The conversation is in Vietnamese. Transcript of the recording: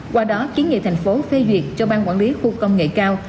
qua đó kiến nghệ tp hcm phê duyệt cho ban quản lý khu công nghệ cao